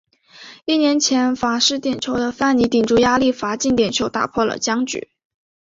一年前罚失点球的范尼顶住压力罚进点球打破了僵局。